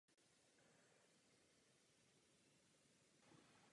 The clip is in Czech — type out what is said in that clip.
První část plánu vymyslel ještě Vilém Slavata z Chlumu a Košumberka.